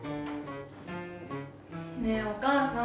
ねえお母さん。